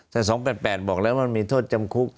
แต่๒๘๘บอกแล้วมันมีโทษจำคุก